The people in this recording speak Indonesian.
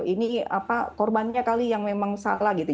ini korbannya kali yang memang salah gitu